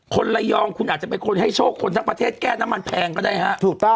คนระยองคุณอาจจะเป็นคนให้โชคคนทั้งประเทศแก้น้ำมันแพงก็ได้ฮะถูกต้อง